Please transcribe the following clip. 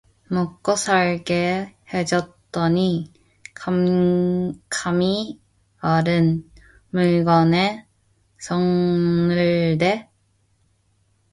먹고살게 해줬더니 감히 어른 물건에 손을 대?